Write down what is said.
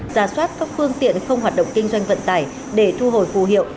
giả soát các phương tiện không hoạt động kinh doanh vận tải để thu hồi phù hiệu